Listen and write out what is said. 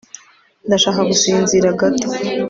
ndashaka gusinzira gato